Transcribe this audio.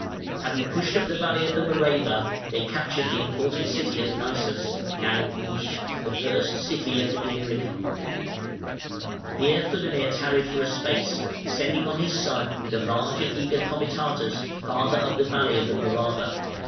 ] Having pushed up the valley of the Morava, they captured the important city of Naissus (now Nisch), "the first city of Illyricum". Here Theudemir tarried for a space, sending on his son with a large and eager comitatus farther up the valley of the Morava.